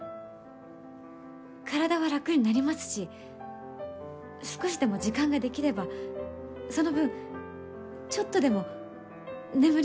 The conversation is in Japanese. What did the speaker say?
体は楽になりますし少しでも時間ができればその分ちょっとでも眠れると思うんです。